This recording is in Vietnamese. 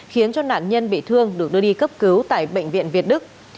khiến cho nạn nhân bị thương được đưa đi cấp cứu tại bệnh viện việt đức